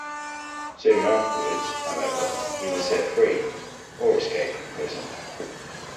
Soon afterwards, however, he was set free, or escaped from prison.